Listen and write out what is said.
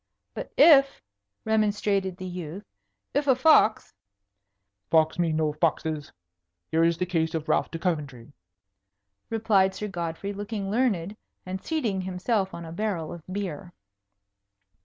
"But if " remonstrated the youth, "if a fox " "Fox me no foxes! Here is the case of Ralph de Coventry," replied Sir Godfrey, looking learned, and seating himself on a barrel of beer.